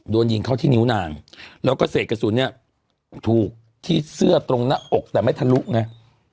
โดนยิงเข้าที่นิ้วนางแล้วก็เศษกระสุนเนี่ยถูกที่เสื้อตรงหน้าอกแต่ไม่ทะลุไง